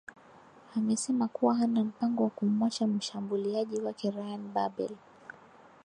amesema kuwa hana mpango wa kumwacha mshabuliaji wake ryan babel